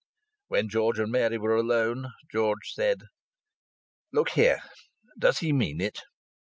When George and Mary were alone, George said: "Look here! Does he mean it?"